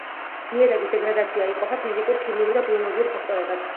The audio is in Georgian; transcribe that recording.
ნიადაგის დეგრადაცია იყოფა ფიზიკურ, ქიმიურ და ბიოლოგიურ ფაქტორებად.